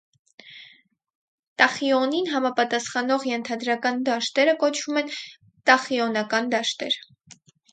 Տախիոնին համապատասխանող ենթադրական դաշտերը կոչվում են տախիոնական դաշտեր։